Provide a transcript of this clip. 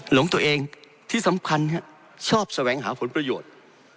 หลงตัวเองที่สำคัญชอบแสวงหาผลประโยชน์